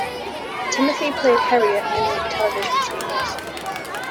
Timothy played Herriot in the television series.